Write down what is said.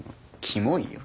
キモいよ。